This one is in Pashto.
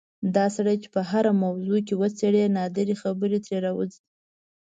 دا سړی چې په هره موضوع کې وچېړې نادرې خبرې ترې راوځي.